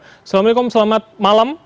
assalamualaikum selamat malam